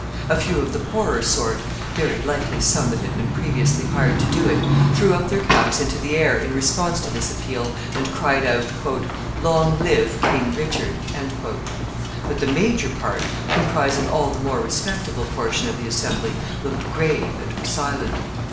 A few of the poorer sort, very likely some that had been previously hired to do it, threw up their caps into the air in response to this appeal, and cried out, "Long live King Richard!" But the major part, comprising all the more respectable portion of the assembly, looked grave and were silent.